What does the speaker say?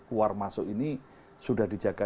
keluar masuk ini sudah dijaga